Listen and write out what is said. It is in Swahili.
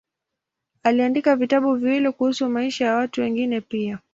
Aliandika vitabu viwili kuhusu maisha ya watu wengine pia.